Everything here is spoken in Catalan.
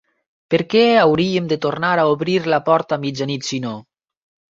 Per què hauríem de tornar a obrir la porta a mitjanit si no?